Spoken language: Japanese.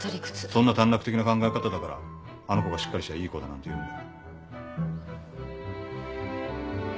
そんな短絡的な考え方だからあの子がしっかりしたいい子だなんて言うんだ。